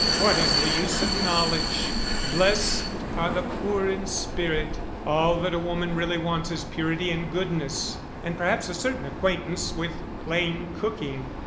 What is the use of knowledge? Blessed are the poor in spirit: all that a woman really wants is purity and goodness, and perhaps a certain acquaintance with plain cooking.